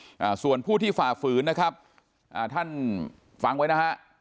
อ่าส่วนผู้ที่ฝ่าฝืนนะครับอ่าท่านฟังไว้นะฮะ